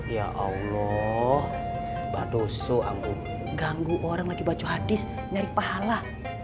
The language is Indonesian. ya allah badoso aku ganggu orang lagi baca hadis nyari pahala